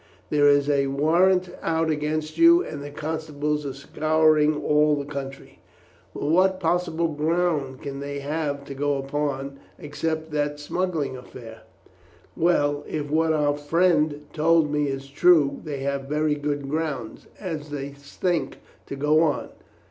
There is a warrant out against you, and the constables are scouring all the country." "But what possible ground can they have to go upon except that smuggling affair?" "Well, if what our friend told me is true, they have very good grounds, as they think, to go on.